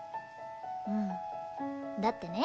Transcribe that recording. うんだってね